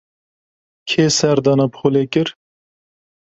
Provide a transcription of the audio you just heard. Kê serdana polê kir?